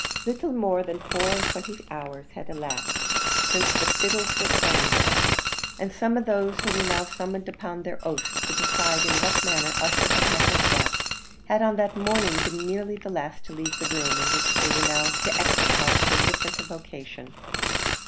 Little more than four and twenty hours had elapsed since the fiddles were playing there, and some of those who were now summoned upon their oaths to decide in what manner Ussher had met his death, had on that morning been nearly the last to leave the room in which they were now to exercise so different a vocation.